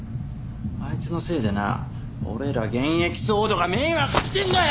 あいつのせいでな俺ら現役ＳＷＯＲＤが迷惑してんだよ！